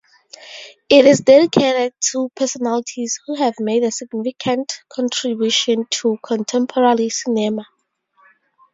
It is dedicated to personalities who have made a significant contribution to contemporary cinema.